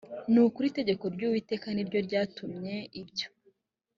ni ukuri itegeko ry uwiteka ni ryo ryatumye ibyo